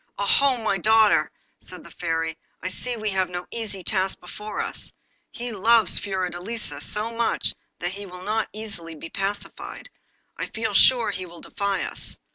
'Oho! my daughter,' said the Fairy, 'I see we have no easy task before us. He loves Fiordelisa so much that he will not be easily pacified. I feel sure he will defy us!